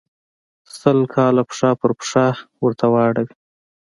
سل کاله پښه پر پښه ورته واړوي.